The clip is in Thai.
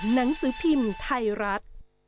หนังสือพิมพ์ไทยรัฐ